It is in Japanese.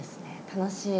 楽しい。